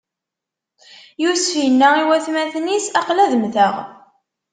Yusef inna i watmaten-is: Aql-i ad mmteɣ!